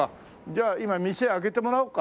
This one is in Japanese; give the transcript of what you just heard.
じゃあ今店開けてもらおうか。